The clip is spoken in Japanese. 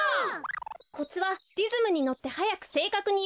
コツはリズムにのってはやくせいかくにいうこと。